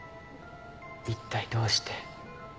一体どうして。